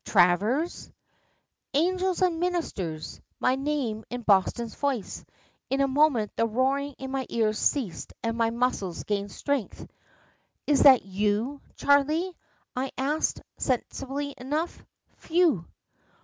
"Travers?" "Angels and ministers" my name in Boston's voice. In a moment the roaring in my ears ceased, and my muscles gained strength. "Is that you, Charley?" I asked, sensibly enough. "Phew!"